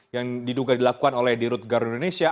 yang diduga dilakukan oleh dirut garuda indonesia